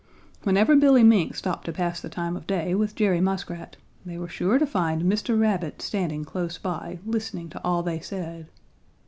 ] "Whenever Billy Mink stopped to pass the time of day with Jerry Muskrat they were sure to find Mr. Rabbit standing close by, listening to all they said.